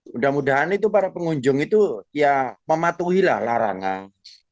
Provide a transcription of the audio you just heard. mudah mudahan itu para pengunjung itu ya mematuhilah larangan